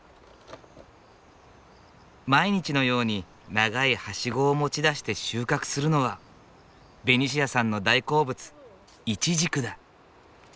毎日のように長いはしごを持ち出して収穫するのはベニシアさんの大好物イチジクだ。